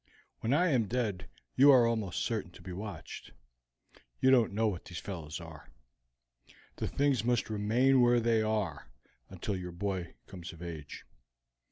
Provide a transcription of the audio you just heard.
When I am dead you are almost certain to be watched. You don't know what these fellows are. The things must remain where they are until your boy comes of age.